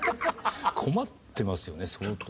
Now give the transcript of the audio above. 困ってますよね相当。